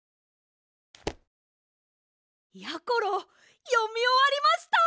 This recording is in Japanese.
やころよみおわりました。